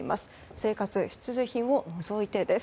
生活必需品を除いてです。